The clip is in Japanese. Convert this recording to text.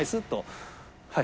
はい！